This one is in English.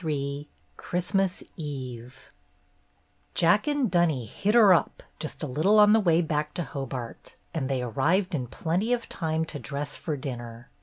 XXIII CHRISTMAS EVE J ACK and Dunny ''hit 'er up'' just a little on the way back to Hobart, and they arrived in plenty of time to dress for dinner.